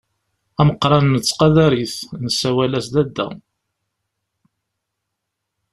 Ameqqran nettqadar-it, nessawal-as Dadda.